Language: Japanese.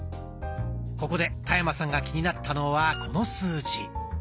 ここで田山さんが気になったのはこの数字。